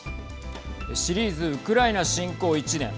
シリーズウクライナ侵攻１年。